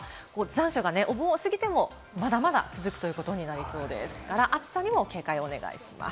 残暑がお盆を過ぎてもまだまだ続くということになりそうですから、暑さにも警戒をお願いします。